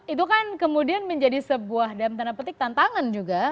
itu kan kemudian menjadi sebuah dalam tanda petik tantangan juga